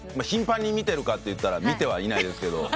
頻繁に見てるかっていったら見てはいないですけど。